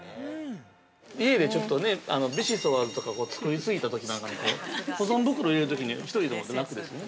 ◆家でちょっとねビシソワーズとか作り過ぎたときなんかに保存袋に入れるときに１人でも楽ですね。